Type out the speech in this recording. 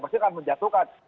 pasti kan menjatuhkan